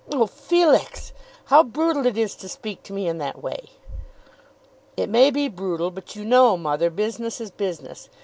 "Oh, Felix! how brutal it is to speak to me in that way." "It may be brutal; but you know, mother, business is business.